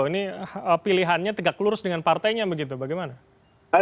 ini pilihannya tegak lurus dengan partainya begitu bagaimana